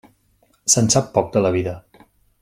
Se'n sap poc de la vida.